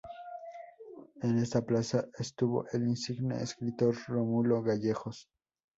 En esta plaza estuvo el insigne escritor Rómulo Gallegos.